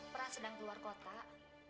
pra sedang keluar kota